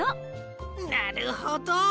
なるほど！